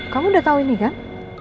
kamu udah tahu ini kan